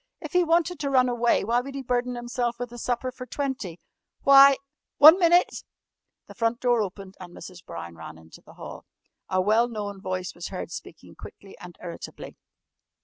If he wanted to run away, why would he burden himself with a supper for twenty? Why one minute!" The front door opened and Mrs. Brown ran into the hall. A well known voice was heard speaking quickly and irritably.